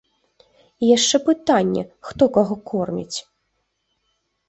І яшчэ пытанне, хто каго корміць.